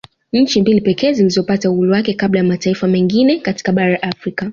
Nchi mbili pekee zilizopata uhuru wake kabla ya mataifa mengina katika bara la Afrika